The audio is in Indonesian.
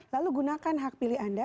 lalu gunakan hak pilih anda